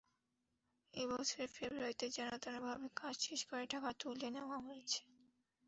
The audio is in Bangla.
এ বছরের ফেব্রুয়ারিতে যেনতেনভাবে কাজ শেষ করে টাকা তুলে নেওয়া হয়েছে।